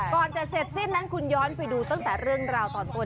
ก่อนจะเสร็จสิ้นนั้นคุณย้อนไปดูตั้งแต่เรื่องราวตอนต้น